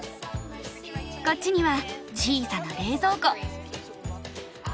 こっちには小さな冷蔵庫。